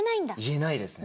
言えないですね。